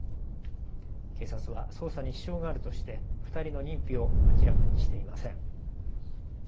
警察は捜査に支障があるとして２人の認否を明らかにしていません。